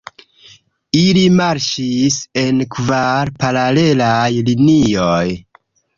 Ili marŝis en kvar paralelaj linioj.